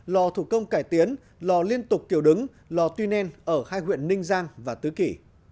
lò thủ công cải tiến lò liên tục kiều đứng lò tuy nen ở hai huyện ninh giang và tứ kỳ